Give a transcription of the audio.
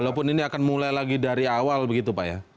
walaupun ini akan mulai lagi dari awal begitu pak ya